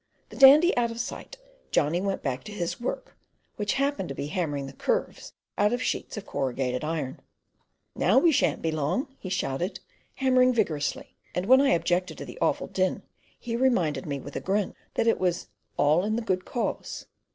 The Dandy out of sight, Johnny went back to his work, which happened to be hammering the curves out of sheets of corrugated iron. "Now we shan't be long," he shouted, hammering vigorously, and when I objected to the awful din, he reminded me, with a grin, that it was "all in the good cause."